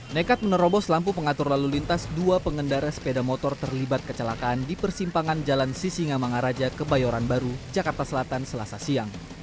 nekat menerobos lampu pengatur lalu lintas dua pengendara sepeda motor terlibat kecelakaan di persimpangan jalan sisinga mangaraja kebayoran baru jakarta selatan selasa siang